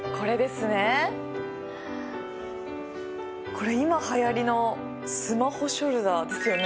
これ今はやりのスマホショルダーですよね。